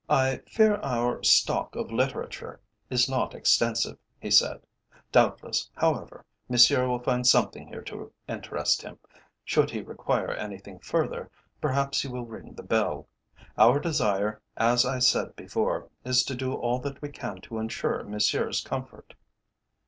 "I fear our stock of literature is not extensive," he said. "Doubtless, however, Monsieur will find something here to interest him. Should he require anything further, perhaps he will ring the bell. Our desire, as I said before, is to do all that we can to ensure Monsieur's comfort."